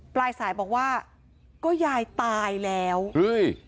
ปลายสายบอกว่าก็ยายตายแล้วเฮ้ย